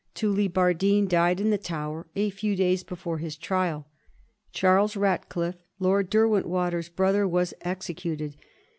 Tullibardine died in the Tower a few days before his trial. Charles Ratcliffe, Lord Derwentwater's brother, was executed.